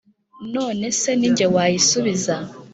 none se ni jye wayisubiza,